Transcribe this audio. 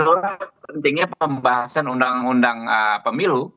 menurut pentingnya pembahasan undang undang pemilu